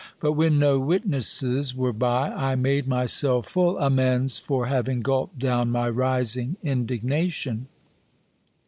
But when no witnesses were by, I made myself full amends for having gulped down my rising indignation.